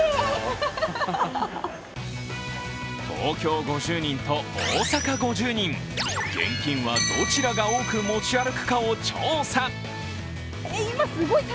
東京５０人と大阪５０人、現金はどちらが多く持ち歩くかを調査。